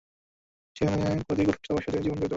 সেখানে অতি কঠোর তপস্যায় তিনি জীবন অতিবাহিত করিতেন।